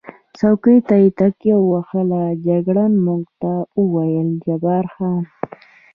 څوکۍ ته یې تکیه ووهل، جګړن موږ ته وویل: جبار خان.